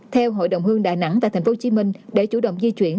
theo hội đồng hương đà nẵng tại thành phố hồ chí minh để chủ động di chuyển